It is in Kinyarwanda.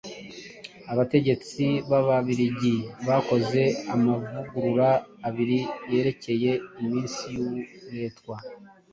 Abategetsi b'Ababiligi bakoze amavugurura abiri yerekeye iminsi y'uburetwa.